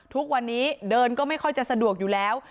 ทุกวันนี้เดินก็ไม่ค่อยจะสะดวกอยู่แล้ว